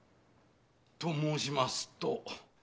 と申しますと？